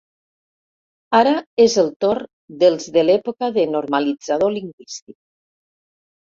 Ara és el torn dels de l'època de normalitzador lingüístic.